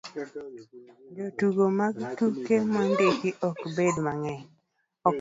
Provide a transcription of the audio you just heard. jotugo mag tuke mondiki ok bed mang'eny